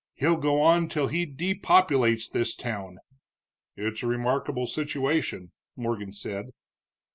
He'll go on till he depopulates this town!" "It's a remarkable situation," Morgan said.